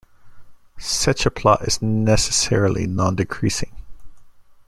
Such a plot is necessarily nondecreasing.